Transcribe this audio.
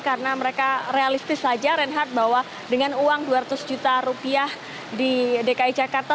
karena mereka realistis saja renhard bahwa dengan uang dua ratus juta rupiah di dki jakarta